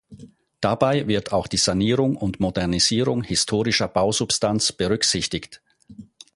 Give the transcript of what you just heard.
Dabei wird auch die Sanierung und Modernisierung historischer Bausubstanz berücksichtigt.